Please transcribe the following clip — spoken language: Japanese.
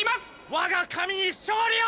我が神に勝利を！